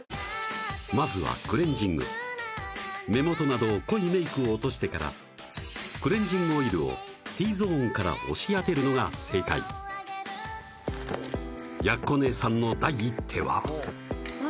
まずはクレンジング目元など濃いメイクを落としてからクレンジングオイルをＴゾーンから押し当てるのが正解奴姉さんの第一手は何？